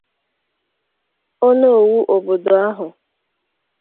Onowu obodo ahụ